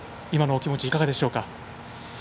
今のお気持ちはいかがでしょうか。